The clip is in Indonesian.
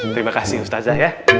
terimakasih ustazah ya